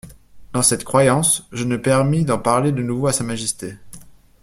Dans cette croyance, je me permis d'en parler de nouveau à Sa Majesté.